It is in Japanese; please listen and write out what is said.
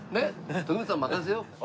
徳光さん任せよう。